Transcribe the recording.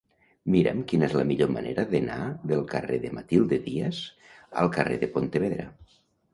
Mira'm quina és la millor manera d'anar del carrer de Matilde Díez al carrer de Pontevedra.